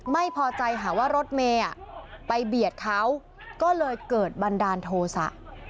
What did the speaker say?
ไม่พอใจหาว่ารถเมย์ไปเบียดเขาก็เลยเกิดบันดาลโทษะ